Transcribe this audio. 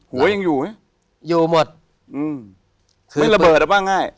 หัวยังอยู่ไหมอยู่หมดไม่ระเบิดหรือเปล่าง่าย